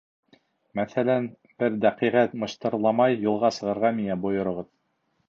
Мәҫәлән, бер дәҡиғәт мыштырламай юлға сығырға миңә бойороғоҙ...